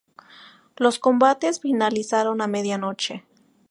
Los combates finalizaron a medianoche.